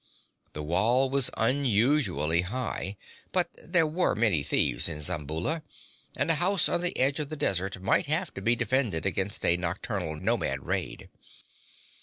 The wall was unusually high; but there were many thieves in Zamboula, and a house on the edge of the desert might have to be defended against a nocturnal nomad raid.